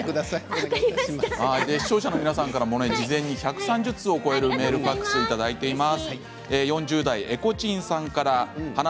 視聴者の皆さんから事前に１３０通を超えるメールをいただいています。